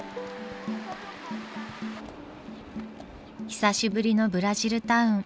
久しぶりのブラジルタウン。